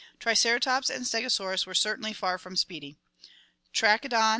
Triceratops and Slegosaurus were certainly far from speedy; Trackodon, on Fn.